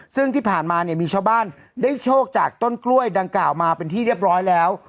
ซึ่งที่ผ่านมาเนี่ยมีชาวบ้านได้โชคจากต้นกล้วยดังกล่าวมาเป็นที่เรียบร้อยแล้ว